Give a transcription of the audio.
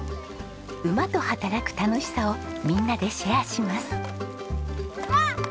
馬と働く楽しさをみんなでシェアします。